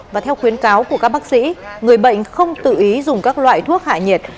và theo khuyến cáo của các bác sĩ người bệnh không tự ý dùng các loại thuốc hạ nhiệt